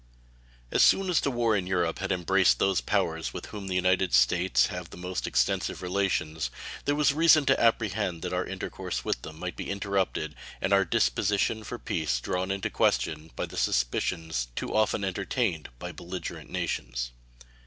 As soon as the war in Europe had embraced those powers with whom the United States have the most extensive relations there was reason to apprehend that our intercourse with them might be interrupted and our disposition for peace drawn into question by the suspicions too often entertained by belligerent nations.